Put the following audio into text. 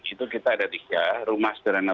itu kita ada tiga rumah sederhana